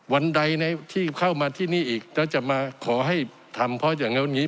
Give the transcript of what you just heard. วันใดที่เข้ามาที่นี่อีกแล้วจะมาขอให้ทำเพราะอย่างนั้นอย่างนี้